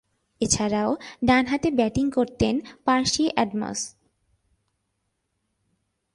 এছাড়াও, ডানহাতে ব্যাটিং করতেন পার্সি অ্যাডামস।